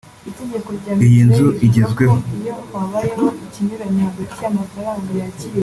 Iyi nzu igezweho